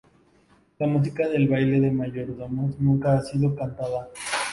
La música del baile de mayordomos nunca ha sido cantada.